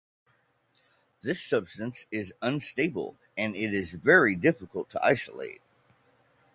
This substance is unstable and it is very difficult to isolate.